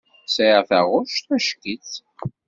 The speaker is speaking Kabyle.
Sɛiɣ taɣwect ack-itt.